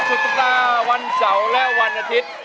สุตตาวันเสาร์และวันอาทิตย์